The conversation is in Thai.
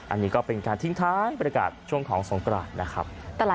อันนี้ก็เป็นการทิ้งท้ายบรรยากาศช่วงของสงกรานนะครับ